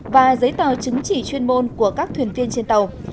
và giấy tờ chứng chỉ chuyên môn của các thuyền viên trên tàu